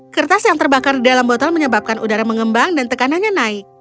kertas yang terbakar di dalam botol menyebabkan udara mengembang dan tekanannya naik